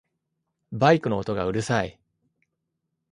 バイクの音がうるさい